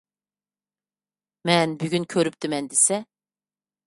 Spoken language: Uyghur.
مەن بۈگۈن كۆرۈپتىمەن دېسە.